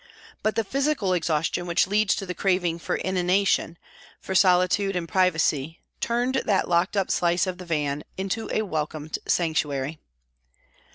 But the physical exhaus tion which leads to the craving for inanition, for solitude and privacy, turned that locked up slice of the van into a welcome sanctuary.